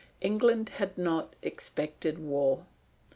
England had not expected war.